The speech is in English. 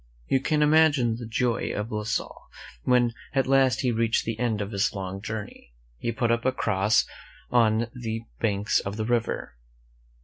IIU 152 You can imagine the joy of La Salle when at last he reached the end of his long journey. He put up a cross on the banks of the river.